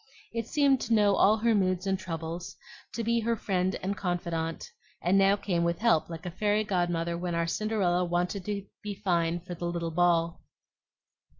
It seemed to know all her moods and troubles, to be her friend and confidante, and now came with help like a fairy godmother when our Cinderella wanted to be fine for the little ball.